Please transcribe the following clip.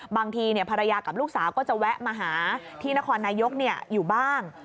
บางทีภรรยากับลูกสาวก็จะแวะมาหาที่นครนายกอยู่บ้าง